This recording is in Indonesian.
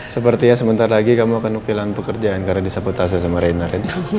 sepertinya sebentar lagi kamu akan kehilangan pekerjaan karena disabotase sama reinhard